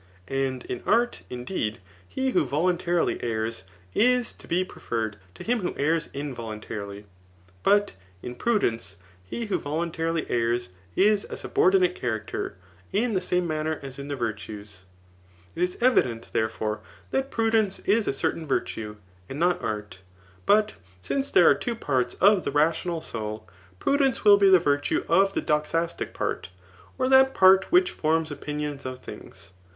And in art, indeed, he who voluntarily errs, is to be pre ferred to him who errs involuntarily ; but in prudence he who voluntarily errs is a subordinate character, in the same manner as in the virtues. It is evident, therefore^ that prudence is a certain virtue, and not art. Put since there are two parts of the rational soul, prudence will be the virtue of the doxastic part, [or that part which forms opinioQs of things].